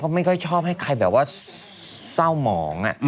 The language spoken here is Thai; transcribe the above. ไม่ค่อยชอบให้ใครแบบว่าเศร้าหมอง